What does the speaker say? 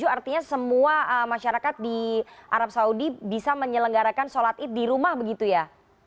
artinya semua masyarakat di arab saudi bisa menyelenggarakan sholat id di rumah begitu ya